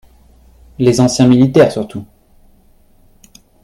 Les anciens militaires, surtout